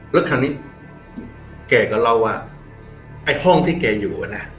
แล้วคราวนี้แกก็เล่าว่าไอ้ห้องที่แกอยู่อ่ะนะ